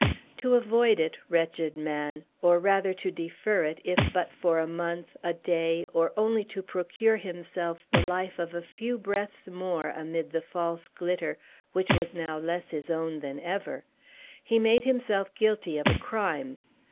To avoid it, wretched man! or rather to defer it, if but for a month, a day, or only to procure himself the life of a few breaths more amid the false glitter which was now less his own than ever, he made himself guilty of a crime.